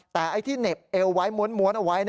แต่ไอ้ที่เหน็บเอวไว้ม้วนเอาไว้